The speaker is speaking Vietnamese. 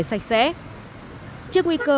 sạch sẽ trước nguy cơ